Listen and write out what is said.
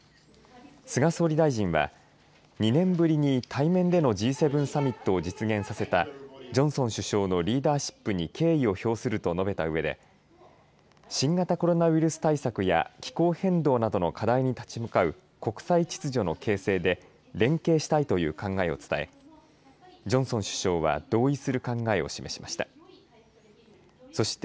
菅総理大臣は２年ぶりに対面でのＧ７サミットを実現させたジョンソン首相のリーダーシップに敬意を表すると述べたうえで新型コロナウイルス対策や気候変動などの課題に立ち向かう国際秩序の形成で連携したいという考えを伝えジョンソン首相は同意する考えを示しました。